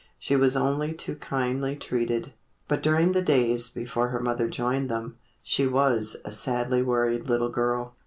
She was only too kindly treated, but during the days before her mother joined them, she was a sadly worried little girl.